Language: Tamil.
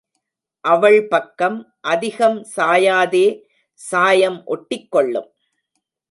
அவள் பக்கம் அதிகம் சாயாதே சாயம் ஒட்டிக்கொள்ளும்.